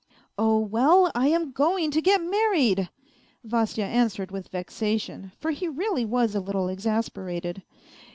" Oh, well, I am going to get married !" Vasya answered with vexation, for he really was a little exasperated.